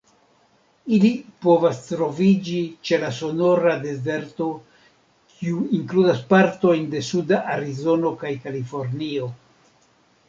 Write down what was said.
Ili povas troviĝi ĉe la Sonora-Dezerto, kiu inkludas partojn de suda Arizono kaj Kalifornio.